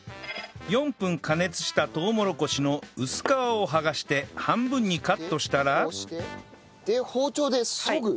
４分加熱したとうもろこしの薄皮を剥がして半分にカットしたらで包丁でそぐ？